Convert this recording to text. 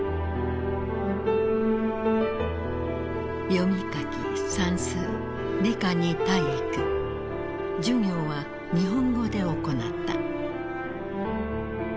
読み書き算数理科に体育授業は日本語で行った。